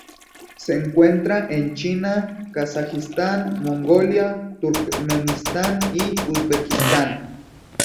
Se encuentra en China, Kazajistán, Mongolia, Turkmenistán y Uzbekistán.